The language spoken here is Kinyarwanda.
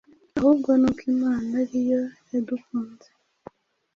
ahubwo ni uko Imana ari yo yadukunze,